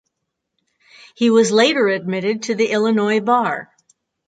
He was later admitted to the Illinois bar.